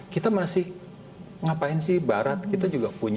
kita masih ngapain sih barat kita juga punya